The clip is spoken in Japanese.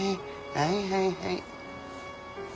はいはいはい。